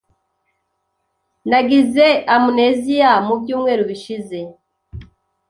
Nagize amnesia mu byumweru bishize